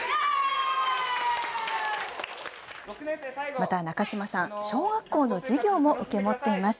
また中島さん、小学校の授業も受け持っています。